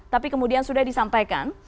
tapi kemudian sudah disampaikan